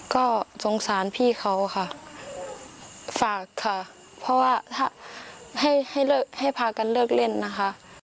ก็สงสารพี่เขาค่ะฝากค่ะเพราะว่าถ้าให้พากันเลิกเล่นนะคะ